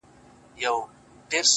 ما خو پخوا مـسـته شــاعـــري كول،